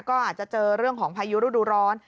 ก็อาจจะเจอเรื่องของพายุฤดูร้อน